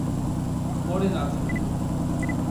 পরে রাজি হল।